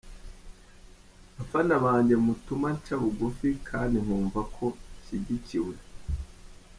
Bafana banjye mutuma nca bugufi kandi nkumva ko nshyigikiwe.